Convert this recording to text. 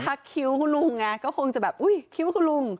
ถ้าทักคิ้วคุณลุงก็คงจะแบบอุ๊ยคิ้วคุณลุง